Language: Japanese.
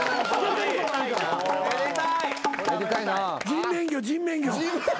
人面魚人面魚。